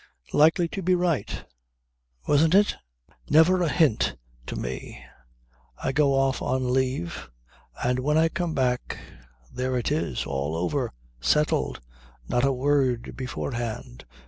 Phoo! Likely to be right wasn't it? Never a hint to me. I go off on leave and when I come back, there it is all over, settled! Not a word beforehand.